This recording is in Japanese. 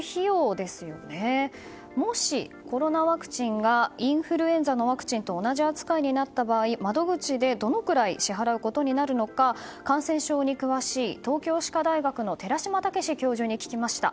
もし、コロナワクチンがインフルエンザのワクチンと同じ扱いになった場合窓口でどのくらい支払うことになるのか感染症に詳しい東京歯科大学の寺嶋毅教授に聞きました。